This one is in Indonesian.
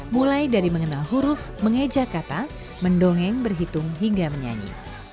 mulai dari mengenal huruf mengeja kata mendongeng berhitung hingga menyanyi